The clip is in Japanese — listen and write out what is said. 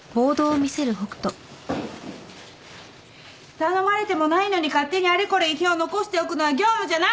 頼まれてもないのに勝手にあれこれ遺品を残しておくのは業務じゃない！